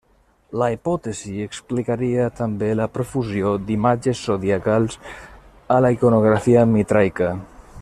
La hipòtesi explicaria també la profusió d'imatges zodiacals a la iconografia mitraica.